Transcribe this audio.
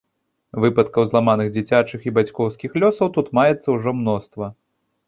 Выпадкаў зламаных дзіцячых і бацькоўскіх лёсаў тут маецца ўжо мноства.